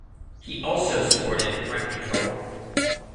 He also supported rent control.